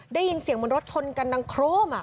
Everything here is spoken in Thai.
ได้ยินเสียงบนรถชนกันดังโคร่มอ่ะ